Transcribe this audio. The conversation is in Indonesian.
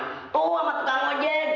aku akan matikanmu jeb